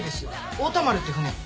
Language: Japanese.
太田丸って船。